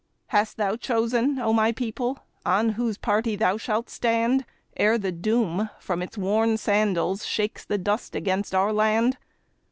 Hast thou chosen, O my people, on whose party thou shalt stand, Ere the Doom from its worn sandals shakes the dust against our land?